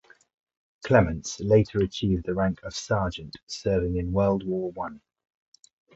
Clements later achieved the rank of Sergeant serving in World War One.